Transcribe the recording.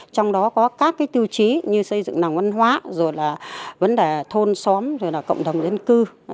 trong đó có các cái tiêu chí như xây dựng nòng văn hóa rồi là vấn đề thôn xóm rồi là cộng đồng dân cư